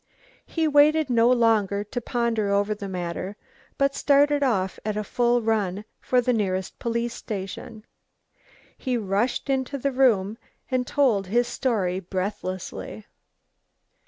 He waited no longer to ponder over the matter, but started off at a full run for the nearest police station. He rushed into the room and told his story breathlessly.